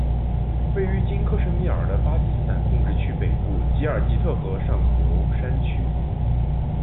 位于今克什米尔的巴基斯坦控制区北部吉尔吉特河上游山区。